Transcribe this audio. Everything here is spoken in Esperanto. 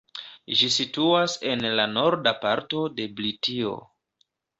Ĝi situas en la norda parto de Britio.